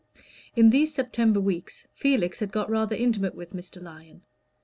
In these September weeks Felix had got rather intimate with Mr. Lyon.